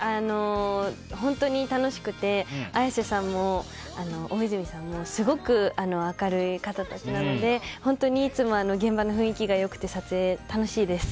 本当に楽しくて綾瀬さんも大泉さんもすごく明るい方たちなので本当にいつも現場の雰囲気が良くて撮影、楽しいです。